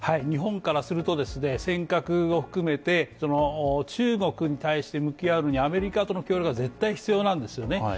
日本からすると、尖閣を含めて中国に対して向き合うのにアメリカとの協力が絶対必要なんですよね。